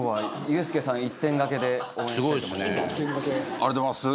ありがとうございます。